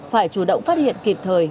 phải chủ động phát hiện kịp thời